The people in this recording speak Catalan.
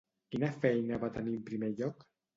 Quina feina va tenir en primer lloc?